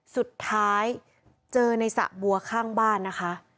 สุดท้ายเจอในสระบัวข้างบ้านนะคะ